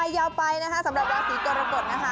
ยาวไปนะคะสำหรับราศีกรกฎนะคะ